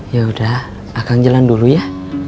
ya udah akan jalan dulu ya